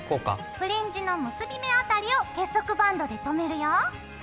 フリンジの結び目あたりを結束バンドでとめるよ。